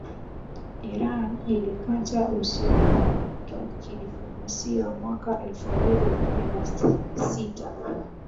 Iran ilikata uhusiano wa kidiplomasia mwaka elfu mbili kumi na sita